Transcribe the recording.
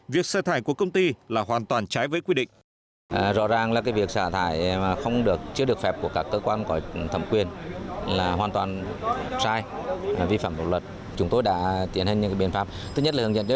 việc xả thải của công ty là hoàn toàn trái với quy định